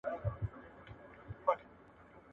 موږ به په ګډه کار کوو.